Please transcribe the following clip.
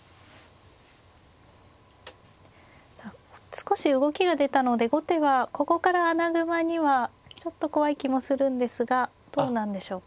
少し動きが出たので後手はここから穴熊にはちょっと怖い気もするんですがどうなんでしょうか。